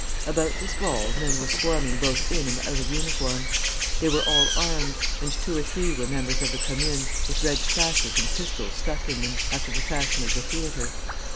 About this wall men were swarming both in and out of uniform. They were all armed, and two or three were members of the Commune, with red sashes and pistols stuck in them, after the fashion of the theatre.